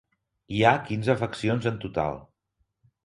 Hi ha quinze faccions en total.